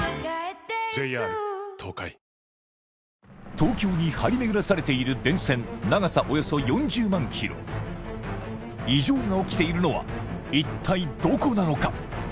東京に張り巡らされている電線長さおよそ４０万ｋｍ異常が起きているのは一体どこなのか？